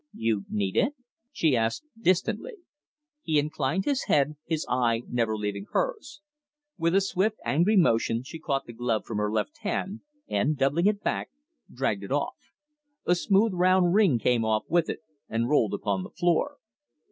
"You need it?" she asked distantly. He inclined his head, his eye never leaving hers. With a swift angry motion she caught the glove from her left hand, and, doubling it back, dragged it off. A smooth round ring came off with it and rolled upon the floor.